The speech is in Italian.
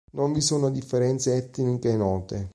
Non vi sono differenze etniche note.